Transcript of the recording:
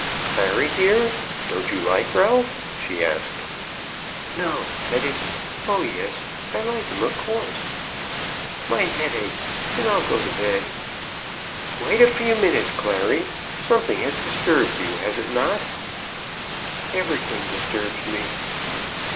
"Clary, dear; don't you like Ralph?" she asked. "No. That is; oh yes, I like him, of course. My head aches and I'll go to bed." "Wait a few minutes, Clary. Something has disturbed you. Has it not?" "Everything disturbs me."